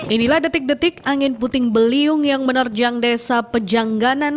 inilah detik detik angin puting beliung yang menerjang desa pejangganan